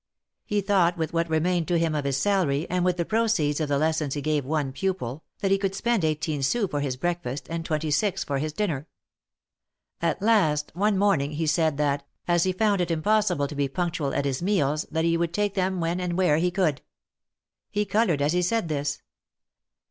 He thought with what remained to him of his salary, and with the proceeds of the lessons he gave one pupil, that he could spend eighteen sous for his breakfast, and twenty six for his dinner. At last, one morning he said that, as he found it impossible to be punctual at his meals, that he would take them when and where he could. He colored as he said this.